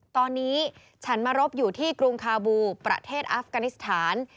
ตอนนี้ฉันมารบอยู่ที่กรุงคาบูประเทศอัฟกานิสถาน